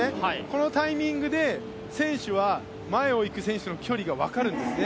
このタイミングで、選手は前を行く選手の距離が分かるんですね。